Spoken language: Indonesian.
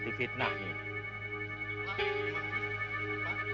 kita di fitnah nih